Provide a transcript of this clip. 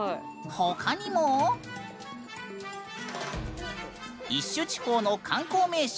他にもイッシュ地方の観光名所